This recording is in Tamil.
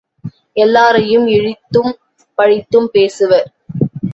எல்லாரையும் இழித்தும் பழித்தும் பேசுவர்.